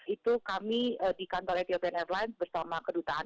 itu kami di kantor etiopian airlines bersama kedutaan